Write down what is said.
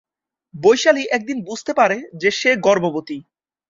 বৈশালী একদিন বুঝতে পারে যে সে গর্ভবতী।